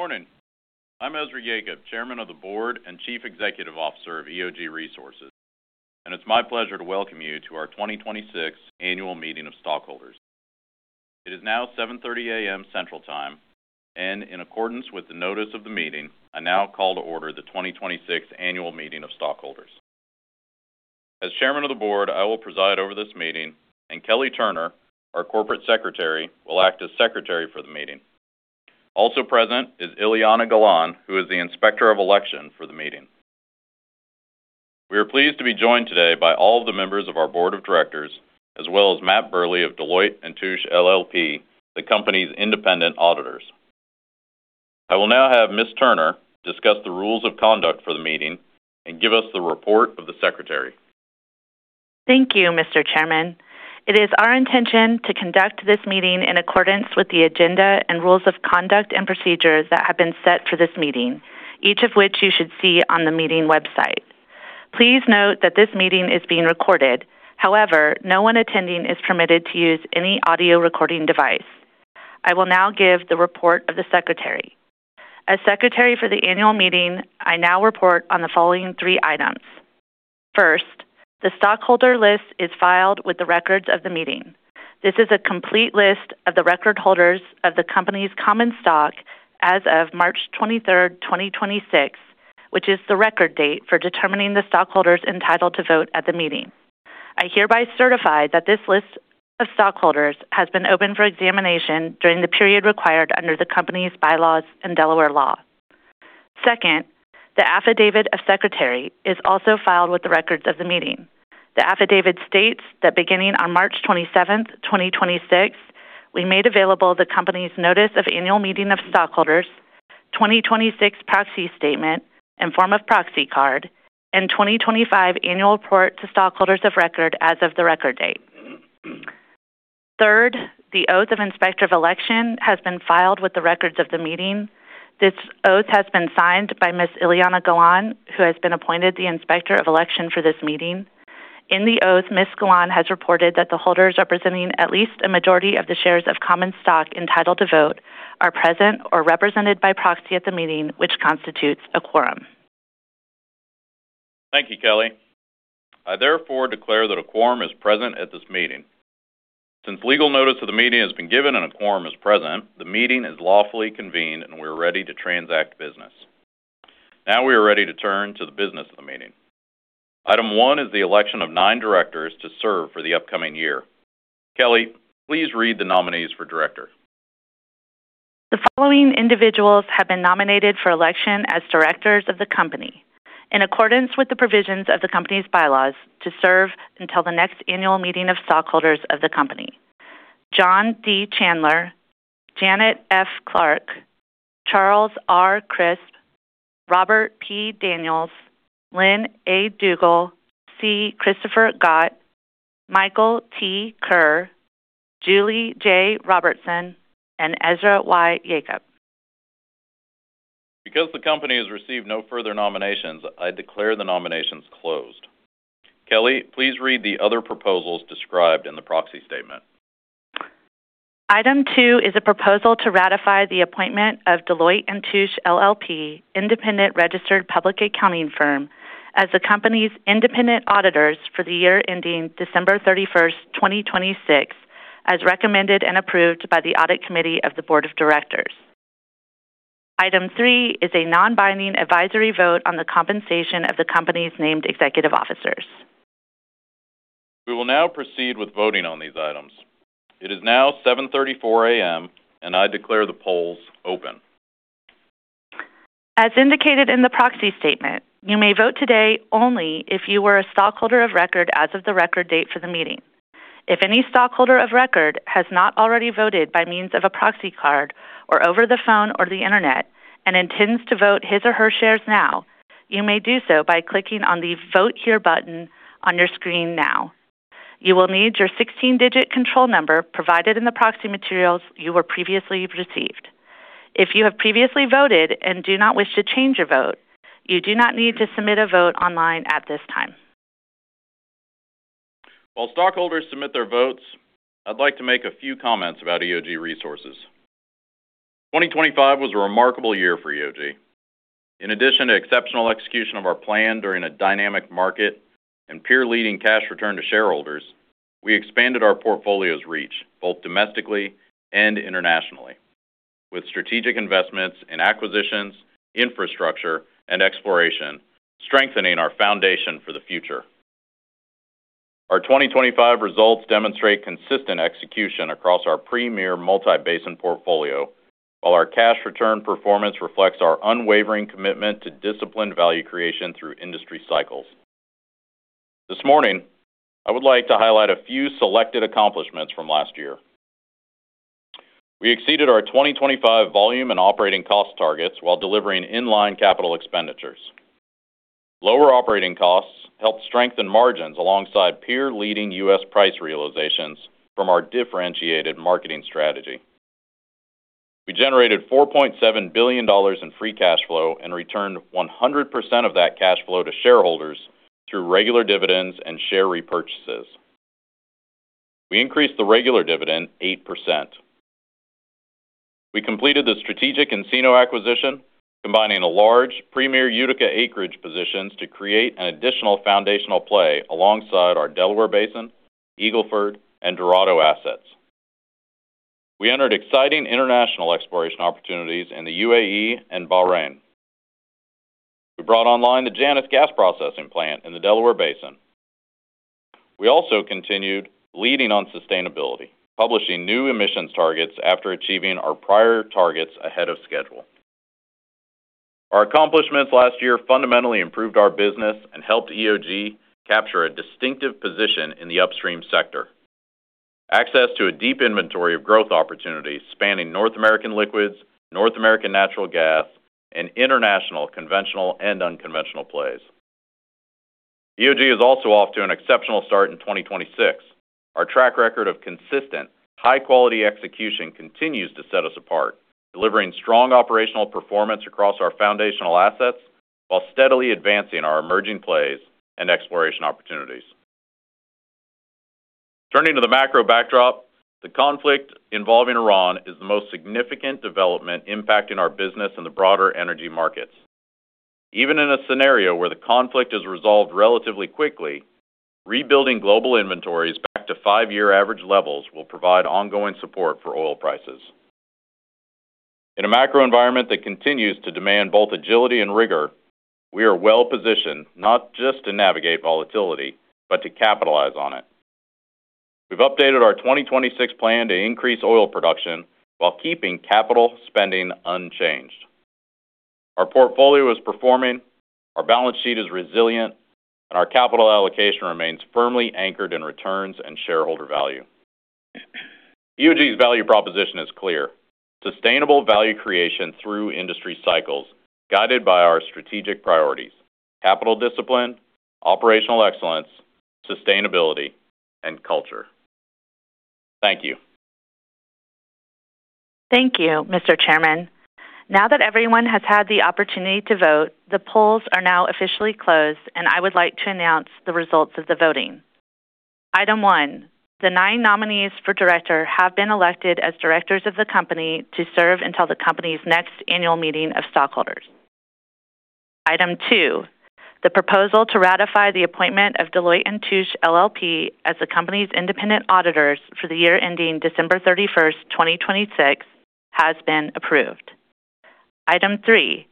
Morning. I'm Ezra Yacob, Chairman of the Board and Chief Executive Officer of EOG Resources, and it's my pleasure to welcome you to our 2026 annual meeting of stockholders. It is now 7:30 AM Central Time, and in accordance with the notice of the meeting, I now call to order the 2026 annual meeting of stockholders. As Chairman of the Board, I will preside over this meeting, and Kelly Turner, our Corporate Secretary, will act as Secretary for the meeting. Also present is Ileana Galan, who is the Inspector of Election for the meeting. We are pleased to be joined today by all of the members of our Board of Directors, as well as Matt Burley of Deloitte & Touche LLP, the company's independent auditors. I will now have Ms. Turner discuss the rules of conduct for the meeting and give us the report of the Secretary. Thank you, Mr. Chairman. It is our intention to conduct this meeting in accordance with the agenda and rules of conduct and procedures that have been set for this meeting, each of which you should see on the meeting website. Please note that this meeting is being recorded. No one attending is permitted to use any audio recording device. I will now give the report of the Secretary. As Secretary for the annual meeting, I now report on the following three items. First, the stockholder list is filed with the records of the meeting. This is a complete list of the record holders of the company's common stock as of March 23rd, 2026, which is the record date for determining the stockholders entitled to vote at the meeting. I hereby certify that this list of stockholders has been open for examination during the period required under the company's bylaws and Delaware law. Second, the Affidavit of Secretary is also filed with the records of the meeting. The affidavit states that beginning on March 27, 2026, we made available the company's Notice of Annual Meeting of Stockholders, 2026 Proxy Statement and Form of Proxy Card, and 2025 Annual Report to Stockholders of Record as of the record date. Third, the Oath of Inspector of Election has been filed with the records of the meeting. This oath has been signed by Ms. Ileana Galan, who has been appointed the Inspector of Election for this meeting. In the oath, Ms. Galan has reported that the holders representing at least a majority of the shares of common stock entitled to vote are present or represented by proxy at the meeting, which constitutes a quorum. Thank you, Kelly. I therefore declare that a quorum is present at this meeting. Since legal notice of the meeting has been given and a quorum is present, the meeting is lawfully convened, and we are ready to transact business. We are ready to turn to the business of the meeting. Item one is the election of nine directors to serve for the upcoming year. Kelly, please read the nominees for director. The following individuals have been nominated for election as directors of the company in accordance with the provisions of the company's bylaws to serve until the next annual meeting of stockholders of the company: John D. Chandler, Janet F. Clark, Charles R. Crisp, Robert P. Daniels, Lynn A. Dugle, C. Christopher Gaut, Michael T. Kerr, Julie J. Robertson, and Ezra Y. Yacob. Because the company has received no further nominations, I declare the nominations closed. Kelly, please read the other proposals described in the Proxy Statement. Item two is a proposal to ratify the appointment of Deloitte & Touche LLP, independent registered public accounting firm, as the company's independent auditors for the year ending December 31st, 2026, as recommended and approved by the Audit Committee of the Board of Directors. Item three is a non-binding advisory vote on the compensation of the company's named executive officers. We will now proceed with voting on these items. It is now 7:34 AM, and I declare the polls open. As indicated in the Proxy Statement, you may vote today only if you were a stockholder of record as of the record date for the meeting. If any stockholder of record has not already voted by means of a proxy card or over the phone or the Internet and intends to vote his or her shares now, you may do so by clicking on the Vote Here button on your screen now. You will need your 16-digit control number provided in the proxy materials you were previously received. If you have previously voted and do not wish to change your vote, you do not need to submit a vote online at this time. While stockholders submit their votes, I'd like to make a few comments about EOG Resources. 2025 was a remarkable year for EOG. In addition to exceptional execution of our plan during a dynamic market and peer-leading cash return to shareholders, we expanded our portfolio's reach both domestically and internationally with strategic investments in acquisitions, infrastructure, and exploration, strengthening our foundation for the future. Our 2025 results demonstrate consistent execution across our premier multi-basin portfolio, while our cash return performance reflects our unwavering commitment to disciplined value creation through industry cycles. This morning, I would like to highlight a few selected accomplishments from last year. We exceeded our 2025 volume and operating cost targets while delivering in-line capital expenditures. Lower operating costs helped strengthen margins alongside peer-leading U.S. price realizations from our differentiated marketing strategy. We generated $4.7 billion in free cash flow and returned 100% of that cash flow to shareholders through regular dividends and share repurchases. We increased the regular dividend 8%. We completed the strategic Encino acquisition, combining a large premier Utica acreage positions to create an additional foundational play alongside our Delaware Basin, Eagle Ford, and Dorado assets. We entered exciting international exploration opportunities in the UAE and Bahrain. We brought online the Janus gas processing plant in the Delaware Basin. We also continued leading on sustainability, publishing new emissions targets after achieving our prior targets ahead of schedule. Our accomplishments last year fundamentally improved our business and helped EOG capture a distinctive position in the upstream sector, access to a deep inventory of growth opportunities spanning North American liquids, North American natural gas, and international conventional and unconventional plays. EOG is also off to an exceptional start in 2026. Our track record of consistent, high-quality execution continues to set us apart, delivering strong operational performance across our foundational assets while steadily advancing our emerging plays and exploration opportunities. Turning to the macro backdrop, the conflict involving Iran is the most significant development impacting our business and the broader energy markets. Even in a scenario where the conflict is resolved relatively quickly, rebuilding global inventories back to five-year average levels will provide ongoing support for oil prices. In a macro environment that continues to demand both agility and rigor, we are well-positioned not just to navigate volatility, but to capitalize on it. We've updated our 2026 plan to increase oil production while keeping capital spending unchanged. Our portfolio is performing, our balance sheet is resilient, and our capital allocation remains firmly anchored in returns and shareholder value. EOG's value proposition is clear: sustainable value creation through industry cycles guided by our strategic priorities, capital discipline, operational excellence, sustainability, and culture. Thank you. Thank you, Mr. Chairman. Now that everyone has had the opportunity to vote, the polls are now officially closed, and I would like to announce the results of the voting. Item one, the nine nominees for director have been elected as directors of the company to serve until the company's next annual meeting of stockholders. Item two, the proposal to ratify the appointment of Deloitte & Touche LLP as the company's independent auditors for the year ending December 31, 2026, has been approved. Item three,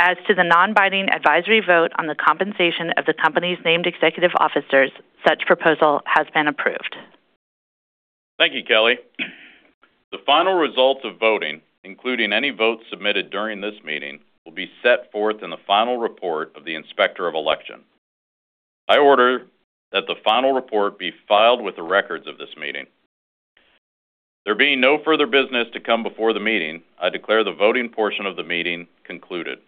as to the non-binding advisory vote on the compensation of the company's named executive officers, such proposal has been approved. Thank you, Kelly. The final results of voting, including any votes submitted during this meeting, will be set forth in the final report of the Inspector of Election. I order that the final report be filed with the records of this meeting. There being no further business to come before the meeting, I declare the voting portion of the meeting concluded.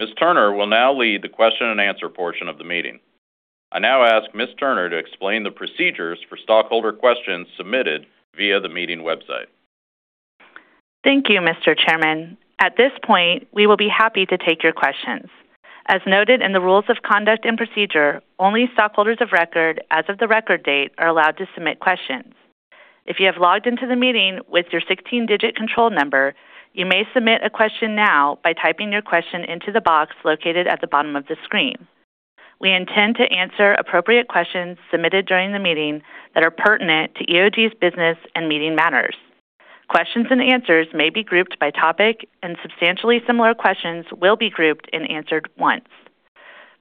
Ms. Turner will now lead the question and answer portion of the meeting. I now ask Ms. Turner to explain the procedures for stockholder questions submitted via the meeting website. Thank you, Mr. Chairman. At this point, we will be happy to take your questions. As noted in the rules of conduct and procedure, only stockholders of record as of the record date are allowed to submit questions. If you have logged into the meeting with your 16-digit control number, you may submit a question now by typing your question into the box located at the bottom of the screen. We intend to answer appropriate questions submitted during the meeting that are pertinent to EOG's business and meeting matters. Questions and answers may be grouped by topic, and substantially similar questions will be grouped and answered once.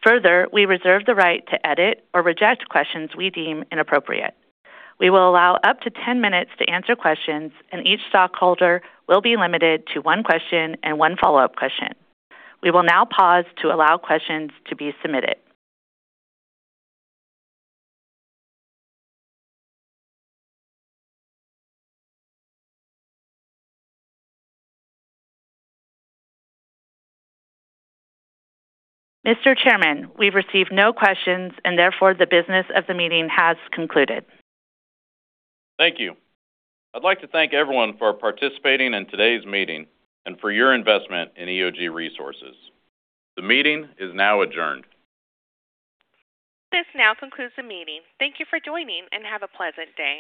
Further, we reserve the right to edit or reject questions we deem inappropriate. We will allow up to 10 minutes to answer questions, and each stockholder will be limited to one question and one follow-up question. We will now pause to allow questions to be submitted. Mr. Chairman, we've received no questions, and therefore, the business of the meeting has concluded. Thank you. I'd like to thank everyone for participating in today's meeting and for your investment in EOG Resources. The meeting is now adjourned. This now concludes the meeting. Thank you for joining, and have a pleasant day.